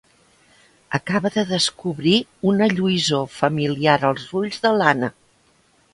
Acaba de descobrir una lluïssor familiar als ulls de l'Anna.